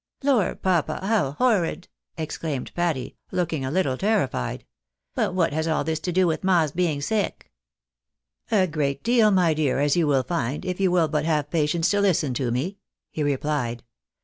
" Lor, papa ! How horrid !" exclaimed Patty, looking a little terrified ;" but what has all this to do with ma's being sick ?"" A great deal, my dear, as you will find, if you will but have patience to hsten to me," he replied.